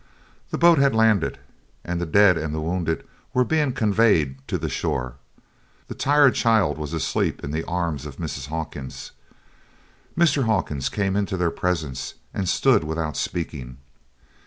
The boat had landed, and the dead and the wounded were being conveyed to the shore. The tired child was asleep in the arms of Mrs. Hawkins. Mr. Hawkins came into their presence and stood without speaking.